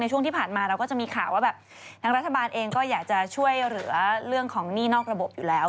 ช่วงที่ผ่านมาเราก็จะมีข่าวว่าแบบทางรัฐบาลเองก็อยากจะช่วยเหลือเรื่องของหนี้นอกระบบอยู่แล้ว